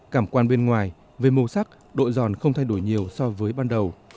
cảm quan bên ngoài về màu sắc đội giòn không thay đổi nhiều so với ban đầu